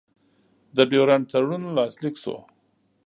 د ډیورنډ تړون لاسلیک شو.